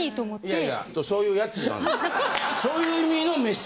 いやいやそういう奴なんで。